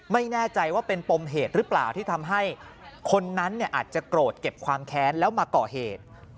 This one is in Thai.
ไม่แน่ใจว่าเป็นปมเหตุหรือเปล่าที่ทำให้คนนั้นอาจจะโกรธเก็บความแค้นแล้วมาก่อเหตุ